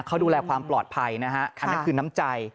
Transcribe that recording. เขาดูแลความปลอดภัยนะฮะอันนั้นคือน้ำใจ